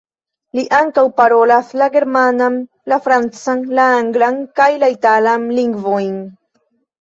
Li ankaŭ parolas la germanan, la francan, la anglan kaj la italan lingvojn.